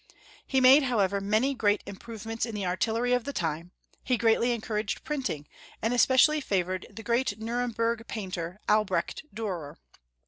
He made, however, many improvements in the artillery of the time, he greatly encouraged printing, and es pecially favored the great Nuremburg painter, Al brecht Duirer.